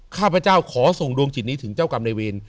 ข้าพเจ้าขอส่งดวงจิตนี้ถึงเจ้ากรรมในเวร